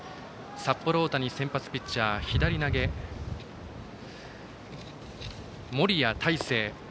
札幌大谷、先発ピッチャー左投げの森谷大誠。